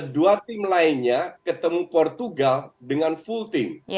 dua tim lainnya ketemu portugal dengan full team